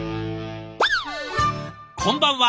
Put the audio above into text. こんばんは。